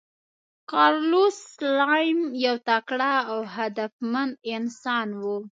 کارلوس سلایم یو تکړه او هدفمند انسان و.